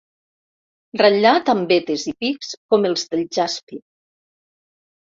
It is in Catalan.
Ratllat amb vetes i pics com els del jaspi.